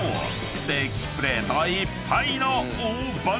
ステーキプレートいっぱいの］